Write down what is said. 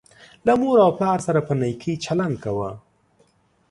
له مور او پلار سره په نیکۍ چلند کوه